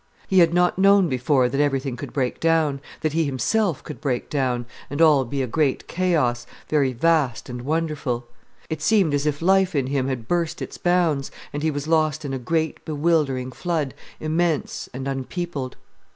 He had not known before that everything could break down, that he himself could break down, and all be a great chaos, very vast and wonderful. It seemed as if life in him had burst its bounds, and he was lost in a great, bewildering flood, immense and unpeopled.